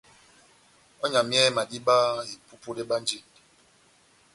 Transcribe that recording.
Ohányamiyɛhɛ madíba, epupudu ebánjindi.